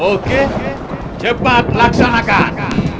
oke cepat laksanakan